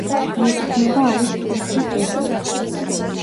მიეკუთვნება ალის-სპრინგსის რეგიონს.